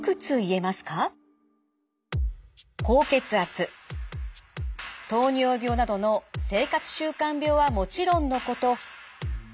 高血圧糖尿病などの生活習慣病はもちろんのこと